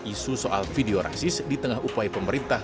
isu soal video rasis di tengah upaya pemerintah